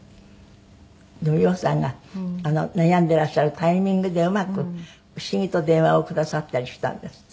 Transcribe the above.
でも羊さんが悩んでいらっしゃるタイミングでうまく不思議と電話をくださったりしたんですって？